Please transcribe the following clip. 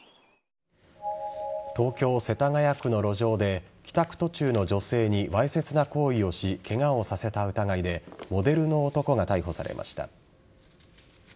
東京・世田谷区の路上で帰宅途中の女性にわいせつな行為をしケガをさせた疑いでモデルの男が逮捕されました。